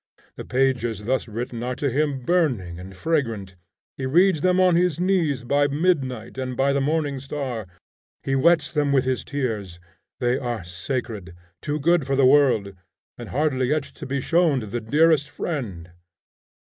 The pages thus written are to him burning and fragrant; he reads them on his knees by midnight and by the morning star; he wets them with his tears; they are sacred; too good for the world, and hardly yet to be shown to the dearest friend.